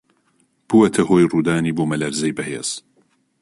بووەتە هۆی ڕوودانی بوومەلەرزەی بەهێز